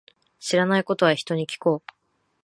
知らないことは、人に聞こう。